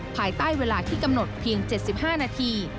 ภายใต้เวลาที่กำหนดเพียง๗๕นาที